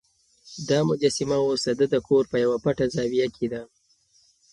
دا مجسمه اوس د ده د کور په یوه پټه زاویه کې ده.